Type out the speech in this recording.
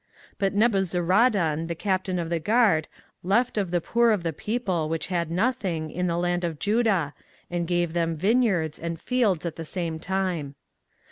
24:039:010 But Nebuzaradan the captain of the guard left of the poor of the people, which had nothing, in the land of Judah, and gave them vineyards and fields at the same time.